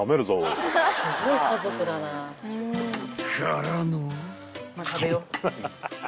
［からの］